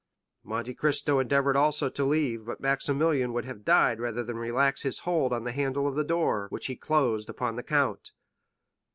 Monte Cristo endeavored also to leave, but Maximilian would have died rather than relax his hold of the handle of the door, which he closed upon the count.